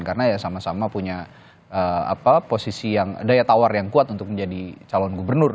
karena ya sama sama punya posisi yang daya tawar yang kuat untuk menjadi calon gubernur